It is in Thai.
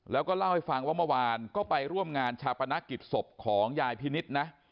แล้วก็เล่าให้ฟังว่าเมื่อวานก็ไปร่วมงานชาปนกิจศพของยายพินิษฐ์นะ